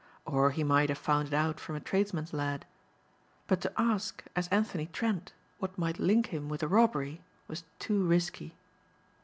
Or he might have found it out from a tradesman's lad. But to ask, as Anthony Trent, what might link him with a robbery was too risky.